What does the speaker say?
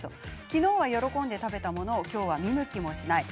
昨日は喜んで食べたものを今日は見向きもしない。